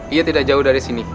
ia tidak jauh dari sini